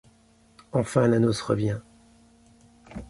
Enfin, la noce revient.